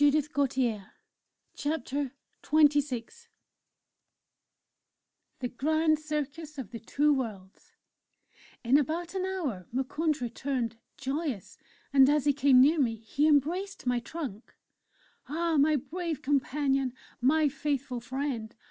CHAPTER XXVI THE GRAND CIRCUS OF THE TWO WORLDS In about an hour Moukounj returned, joyous, and as he came near me he embraced my trunk. "Ah! my brave companion! My faithful friend!